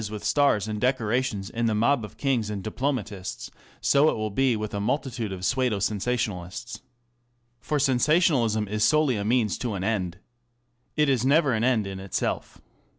with stars and decorations in the mob of kings and diplomatists, so will it be with a multitude of pseudo sensationalists. For sensation alism is solely a means to an end. It is never an end in itself.